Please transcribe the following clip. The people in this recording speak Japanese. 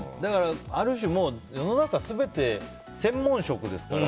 ある種、世の中全て専門職ですから。